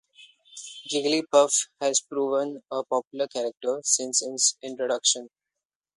Jigglypuff has proven a popular character since its introduction.